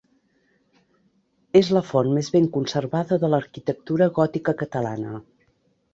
És la font més ben conservada de l'arquitectura gòtica catalana.